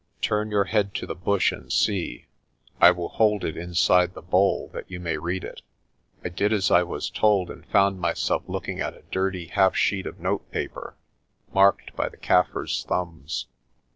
Turn your head to the bush and see; I will hold it inside the bowl, that you may read it." I did as I was told, and found myself looking at a dirty half sheet of note paper, marked by the Kaffir's thumbs.